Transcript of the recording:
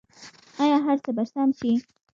آیا هر څه به سم شي؟